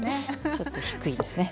ちょっと低いですね。